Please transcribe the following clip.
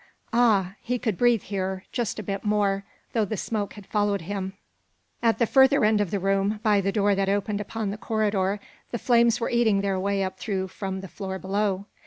Ah! He could breathe, here, just a bit more, though the smoke had followed him. At the further end of the room, by the door that opened upon the corridor, the flames were eating their way up through from the floor below.